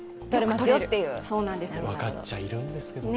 分かっちゃいるんですけどね。